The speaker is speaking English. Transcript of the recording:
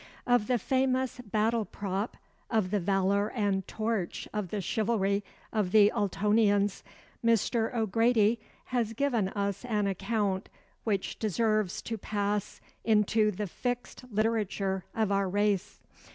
Of the famous "battle prop of the valor and torch of the chivalry of the Ultonians" Mr. O'Grady has given us an account which deserves to pass into the fixed literature of our race.